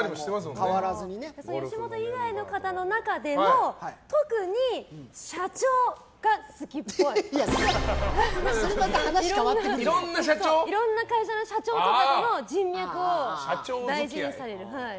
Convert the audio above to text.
吉本以外の方の中でもそれはまたいろんな会社の社長とかとの人脈を大事にされる。